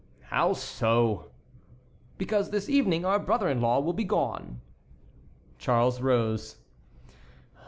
"How so?" "Because this evening our brother in law will be gone." Charles rose.